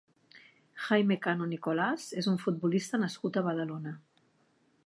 Jaime Cano Nicolás és un futbolista nascut a Badalona.